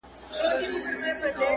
د زړگي هيله چي ستۍ له پېغلتوبه وځي_